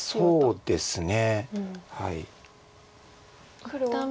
そうですね。